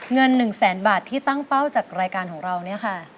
เงิน๑แสนบาทที่ตั้งเป้าจากรายการของเราเนี่ยค่ะ